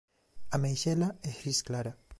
A meixela é gris clara.